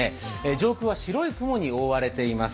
上空は白い雲に覆われています。